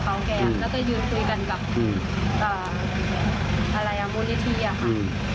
แล้วก็ยืนคุยกันกับอืมอ่าอะไรอ่ะบูรณีที่อ่ะอืม